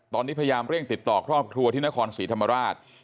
ตอนนี้พยายามเร่งติดต่อครอบครัวที่นครศรีธรรมราช